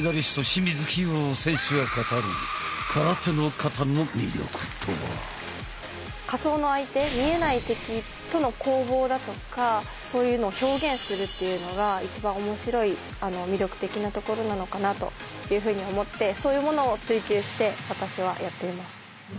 清水希容選手が語る仮想の相手見えない敵との攻防だとかそういうのを表現するっていうのが一番面白い魅力的なところなのかなというふうに思ってそういうものを追求して私はやっています。